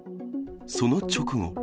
その直後。